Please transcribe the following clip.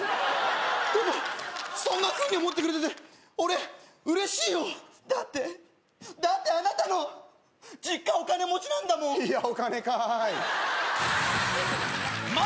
でもそんなふうに思ってくれてて俺嬉しいよだってだってあなたの実家お金持ちなんだもんいや